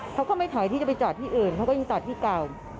เขาก็ไม่ถอยที่จะไปจอดที่อื่นเขาก็ยังจอดที่เก่า